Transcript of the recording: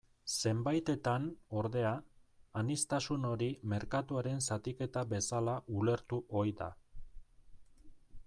Zenbaitetan, ordea, aniztasun hori merkatuaren zatiketa bezala ulertu ohi da.